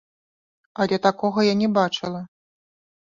Але такога я не бачыла.